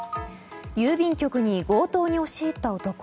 郵便局に強盗に押し入った男。